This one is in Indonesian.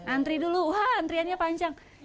antri dulu wah antriannya panjang